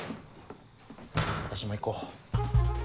私も行こう。